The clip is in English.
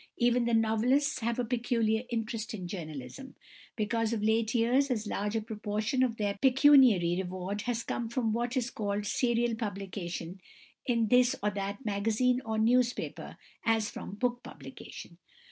Even the novelists have a peculiar interest in journalism, because of late years as large a proportion of their pecuniary reward has come from what is called serial publication in this or that magazine or newspaper as from book publication.